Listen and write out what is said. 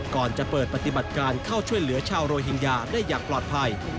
ก่อนจะเปิดปฏิบัติการเข้าช่วยเหลือชาวโรฮิงญาได้อย่างปลอดภัย